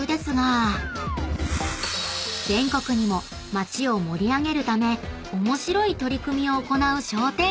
［全国にも街を盛り上げるため面白い取り組みを行う商店街が］